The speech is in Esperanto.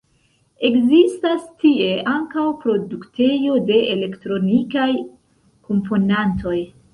Ekzistas tie ankaŭ produktejo de elektronikaj komponantoj.